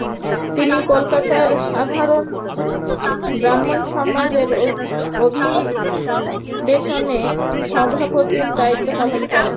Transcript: তিনি কলকাতায় সাধারণ ব্রাহ্ম সমাজের অধিবেশনে সভাপতির দায়িত্ব পালন করেন।